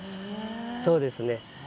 そうですね。